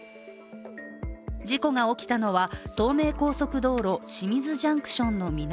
事故が起きたのは東名高速道路清水ジャンクションの南